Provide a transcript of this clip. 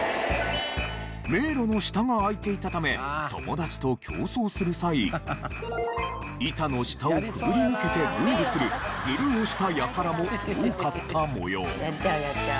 迷路の下が空いていたため友達と競争する際板の下をくぐり抜けてゴールするずるをした輩も多かった模様。